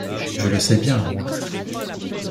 Je le sais bien, moi.